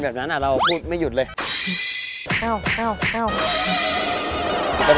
แบบนั้นอ่ะเราพูดไม่หยุดเลยไม่เอาไม่เอาไม่เอาแต่